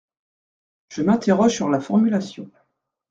Je m’interroge sur la formulation.